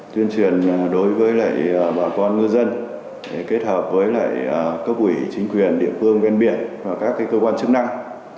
tuyên truyền đối với bà con ngư dân kết hợp với lại cấp ủy chính quyền địa phương ven biển và các cơ quan chức năng